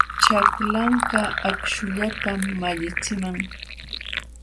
Chaklanka akśhullatam malliqchiman.